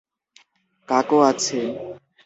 কাকও আছে।